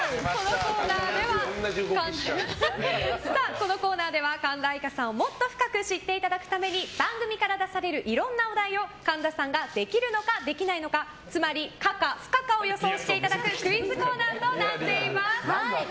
このコーナーでは神田愛花さんをもっと深く知っていただくために番組から出されるいろんなお題を神田さんができるのか、できないのかつまり可か不可を予想していただくクイズコーナーとなっています。